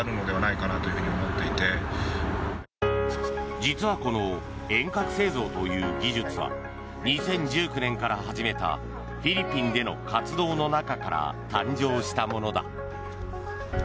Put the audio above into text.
実はこの遠隔製造という技術は２０１９年から始めたフィリピンでの活動の中から誕生したものだ。